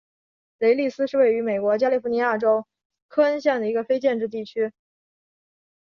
霍利斯是位于美国加利福尼亚州克恩县的一个非建制地区。